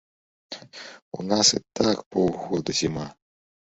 У нас і так паўгода зіма.